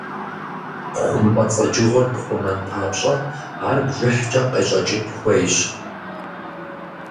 ХъумпӀэцӀэджыгъуэр пхъумэн папщӀэ, ар бжыхькӀэ къещӀэкӀын хуейщ.